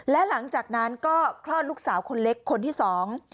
และหลังจากนั้นก็คลอดลูกสาวคนเล็กคนที่สอง